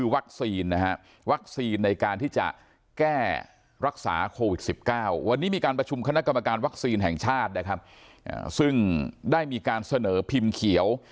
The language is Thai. วันนี่มีการประชุมคกวศนะครับซึ่งได้มีการเสนอพิมพ์เขียว